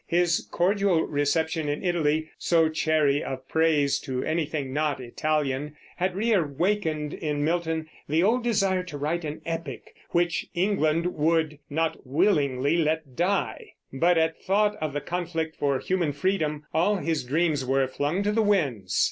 His cordial reception in Italy, so chary of praise to anything not Italian, had reawakened in Milton the old desire to write an epic which England would "not willingly let die"; but at thought of the conflict for human freedom all his dreams were flung to the winds.